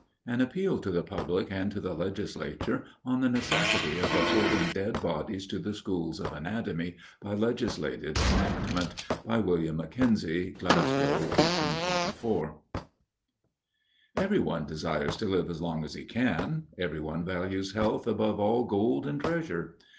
_An Appeal to the Public and to the Legislature, on the necessity of affording Dead Bodies to the Schools of Anatomy, by Legislative Enactment._ By WILLIAM MACKENZIE. Glasgow. 1824. Every one desires to live as long as he can. Every one values health "above all gold and treasure."